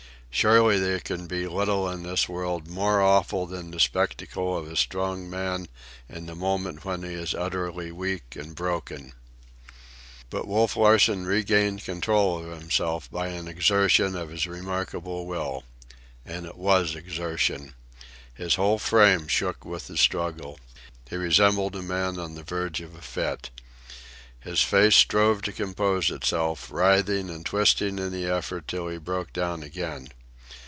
Surely there can be little in this world more awful than the spectacle of a strong man in the moment when he is utterly weak and broken. But Wolf Larsen regained control of himself by an exertion of his remarkable will. And it was exertion. His whole frame shook with the struggle. He resembled a man on the verge of a fit. His face strove to compose itself, writhing and twisting in the effort till he broke down again.